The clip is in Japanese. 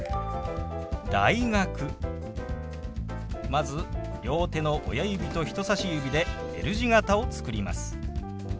まず両手の親指と人さし指でＬ字形を作ります。